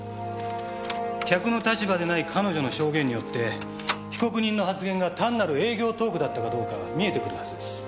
客の立場でない彼女の証言によって被告人の発言が単なる営業トークだったかどうか見えてくるはずです。